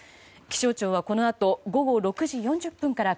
気象庁はこのあと午後６時４０分から